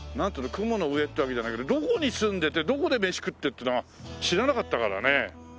雲の上ってわけじゃないけどどこに住んでてどこで飯食ってっていうのは知らなかったからね。